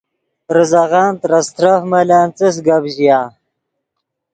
ریزغن ترے استرف ملن څس گپ ژیا